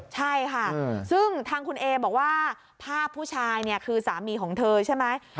ใช่ค่ะซึ่งทางคุณเอบอกว่าภาพผู้ชายเนี่ยคือสามีของเธอใช่ไหม